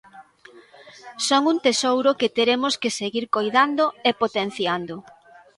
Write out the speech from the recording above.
Son un tesouro que teremos que seguir coidando e potenciando.